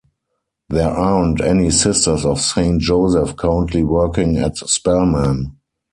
There aren't any Sisters of Saint Joseph currently working at Spellman.